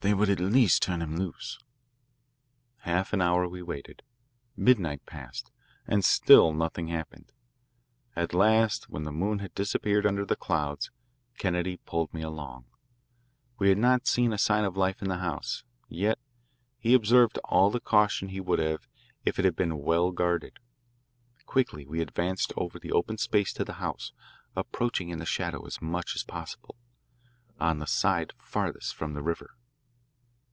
They would at least turn him loose." Hour after hour we waited. Midnight passed, and still nothing happened. At last when the moon had disappeared under the clouds, Kennedy pulled me along. We had seen not a sign of life in the house, yet he observed all the caution he would have if it had been well guarded. Quickly we advanced over the open space to the house, approaching in the shadow as much as possible, on the side farthest from the river.